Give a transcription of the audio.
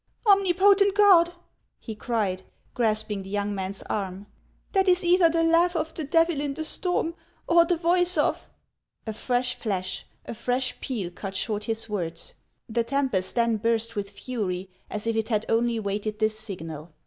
Omnipotent God !" he cried, grasping the young man's arm, "that is either the laugh of the Devil in the storm, or the voice of —' A fresh flash, a fresh peal, cut short his words. The tempest then burst with fury, as if it had only waited this signal.